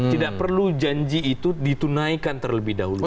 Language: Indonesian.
tidak perlu janji itu ditunaikan terlebih dahulu